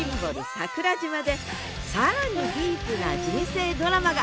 桜島で更にディープな人生ドラマが！